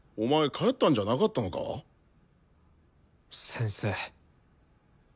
先生。